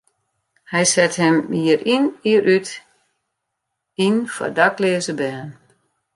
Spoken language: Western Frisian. Hy set him jier yn jier út yn foar dakleaze bern.